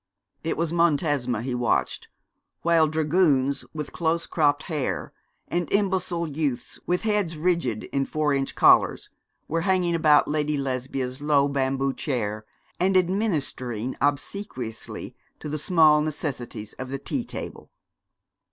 It was Montesma he watched, while dragoons with close cropped hair, and imbecile youths with heads rigid in four inch collars, were hanging about Lady Lesbia's low bamboo chair, and administering obsequiously to the small necessities of the tea table.